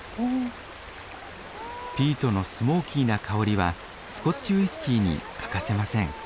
ピートのスモーキーな香りはスコッチウイスキーに欠かせません。